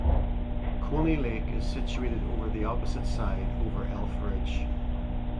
Coney Lake is situated over the opposite side over Elf Ridge.